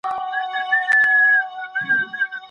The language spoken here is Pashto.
د څېړني میتود باید د موضوع له نوعیت سره سم وي.